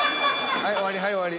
はい終わりはい終わり。